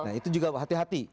nah itu juga hati hati